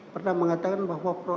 pernah mengatakan bahwa